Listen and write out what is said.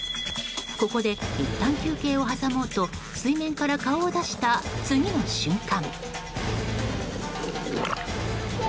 ここで、いったん休憩を挟もうと水面から顔を出した次の瞬間。